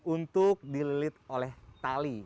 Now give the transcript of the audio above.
untuk dililit oleh tali